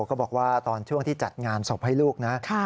ก็บอกว่าตอนช่วงที่จัดงานศพให้ลูกนะ